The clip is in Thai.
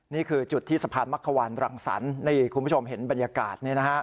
นี่คือจุดที่สะพานมะเขวันรังสรรคุณผู้ชมเห็นบรรยากาศนี่นะฮะ